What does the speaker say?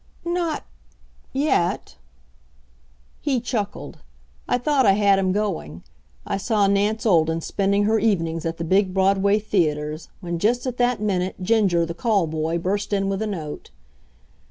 "Not yet." He chuckled. I thought I had him going. I saw Nance Olden spending her evenings at the big Broadway theaters, when, just at that minute, Ginger, the call boy, burst in with a note.